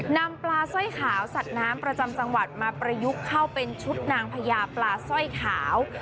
นำปลาสร้อยขาวสัตว์น้ำประจำจังหวัดมาประยุกต์เข้าเป็นชุดนางพญาปลาสร้อยขาว